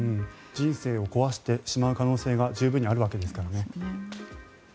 人生を壊してしまう可能性が十分にあるわけですからね。